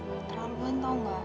keterampuan tahu gak